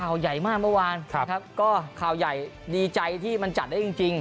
ข่าวใหญ่มากเมื่อวานครับก็ข่าวใหญ่ดีใจที่มันจัดได้จริงจริง